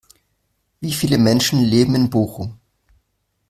Wie viele Menschen leben in Bochum?